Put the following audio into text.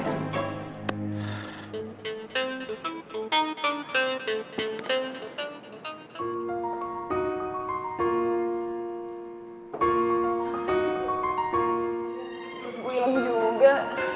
bu ilang juga